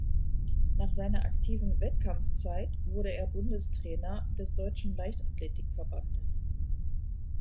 Nach seiner aktiven Wettkampfzeit wurde er Bundestrainer des Deutschen Leichtathletik-Verbandes.